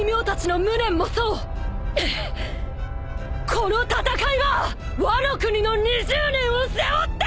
この戦いはワノ国の２０年を背負ってるんだ！